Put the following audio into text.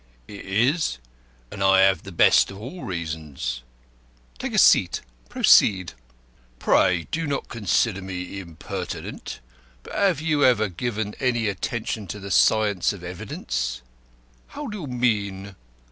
"It is; and I have the best of all reasons." "Take a seat. Proceed." "Pray do not consider me impertinent, but have you ever given any attention to the science of evidence?" "How do you mean?"